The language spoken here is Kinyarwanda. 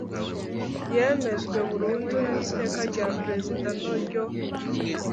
yemejwe burundu n Iteka rya Perezida no ryo